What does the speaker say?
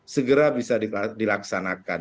segera bisa dilaksanakan